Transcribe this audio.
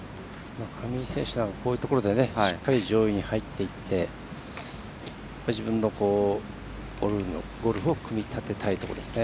上井選手はこういうところでしっかり上位に入っていって自分のゴルフを組み立てたいところですね。